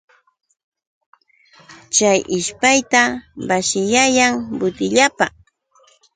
Chay ishpayta basiyayan butillapa.